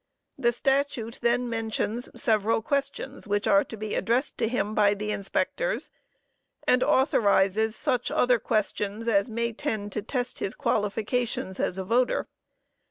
The statute then mentions several questions which are to be addressed to him by the inspectors, and authorizes such other questions as may tend to test his qualifications as a voter.